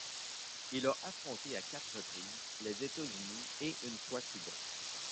Il a affronté à quatre reprises les États-Unis et une fois Cuba.